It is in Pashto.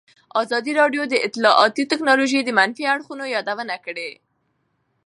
ازادي راډیو د اطلاعاتی تکنالوژي د منفي اړخونو یادونه کړې.